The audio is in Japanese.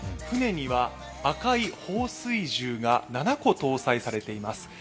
船には赤い放水銃が７個搭載されています。